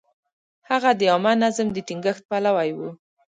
هغه د عامه نظم د ټینګښت پلوی و.